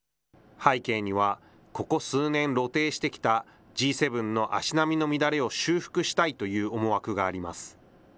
背景には、ここ数年、露呈してきたＧ７の足並みの乱れを修復したいという思惑があります。